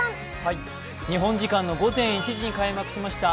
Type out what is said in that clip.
日本時間の午前１時に開幕しましたＦＩＦＡ